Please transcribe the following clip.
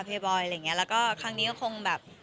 บอยอะไรอย่างเงี้แล้วก็ครั้งนี้ก็คงแบบ